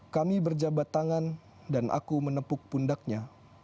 kami berjabat tangan dan aku menepuk pundaknya